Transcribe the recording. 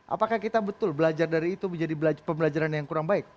apakah kita betul belajar dari itu menjadi pembelajaran yang kurang baik